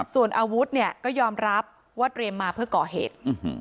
ส่วนอาวุธเนี่ยก็ยอมรับว่าเตรียมมาเพื่อก่อเหตุ